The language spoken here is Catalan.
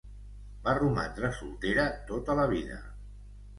Va romandre soltera tota la vida.